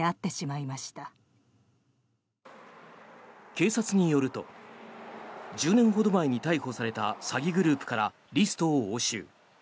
警察によると、１０年ほど前に逮捕された詐欺グループからリストを押収。